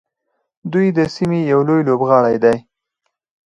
دوی د سیمې یو لوی لوبغاړی دی.